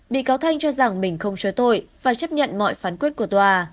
bị cáo thanh cho rằng mình không cho tội và chấp nhận mọi phán quyết của tòa